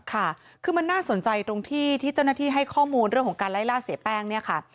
ค่ะคือมันน่าสนใจตรงที่ที่เจ้าหน้าที่ให้ข้อมูลเรื่องของการไล่ล่าเสียแป้งเนี่ยค่ะ